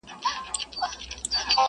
چي په مینه دي را بولي د دار سرته.